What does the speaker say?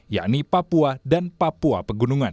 yakni papua dan papua pegunungan